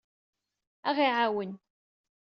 Ad aɣ-iɛawen.